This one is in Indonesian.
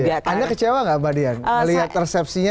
anda kecewa nggak mbak dian melihat resepsinya